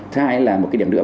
thứ hai là một cái điểm nữa